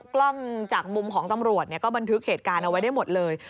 กล้องจากมุมของตำรวจก็บันทึกเหตุการณ์เอาไว้ได้หมดเลย